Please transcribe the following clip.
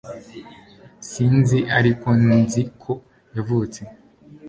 Sinzi ariko nzi ko yavutse